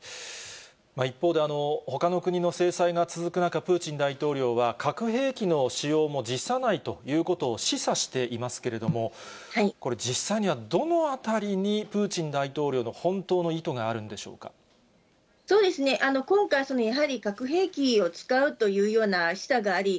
一方で、ほかの国の制裁が続く中、プーチン大統領は核兵器の使用も辞さないということを示唆していますけれども、これ、実際にはどのあたりにプーチン大統領の本当の意図があるんでしょそうですね、今回、やはり核兵器を使うというような示唆があり、